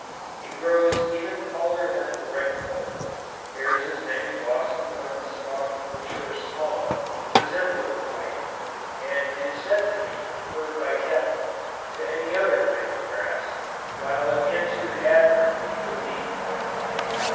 It grows even taller than the red clover, bears many blossoms on a stalk which are small, resembling the white, and is said to be preferred by cattle, to any other kind of grass, while it answers admirably for bees.